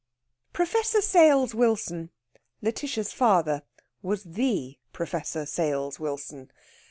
Professor Sales Wilson, Lætitia's father, was the Professor Sales Wilson.